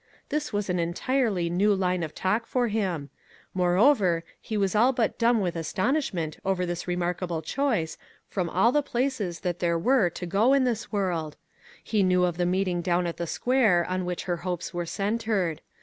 This was an entirely new line of talk for him. More over, he was all but dumb with astonishment 64 "I'LL DO MY VERY BEST" over this remarkable choice, from all the places there were to go to in this world. He knew of the meeting down at the square on which her hopes were centered.